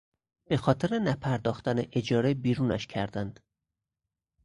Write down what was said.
به خاطر نپرداختن اجاره بیرونش کردند.